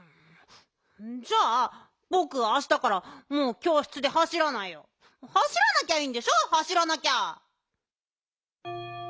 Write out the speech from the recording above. じゃあぼくあしたからもうきょうしつではしらないよ。はしらなきゃいいんでしょ？はしらなきゃ。